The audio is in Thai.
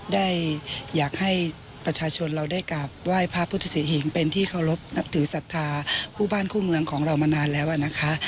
ได้อยากให้ประชาชนเราได้กราบไหว้พระพุทธศรีหิงเป็นที่เคารพนับถือศรัทธาคู่บ้านคู่เมืองของเรามานานแล้วนะคะ